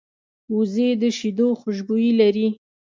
وزې د شیدو خوشبويي لري